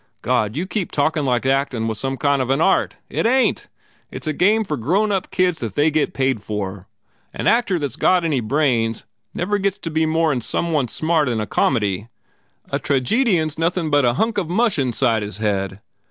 God, you keep talkin like actin was some kind of an art ! It ain t. It s a game for grown up kids that they get paid for. An actor that s got any brains never gets to be more n some one smart in comedy. A tragedian s nothin but a hunk of 148 GURDY mush inside his head.